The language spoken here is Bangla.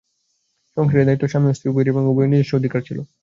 সংসারের দায়িত্ব স্বামী ও স্ত্রী উভয়েরই এবং উভয়েরই নিজস্ব অধিকার ছিল।